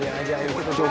sintia aku coba cari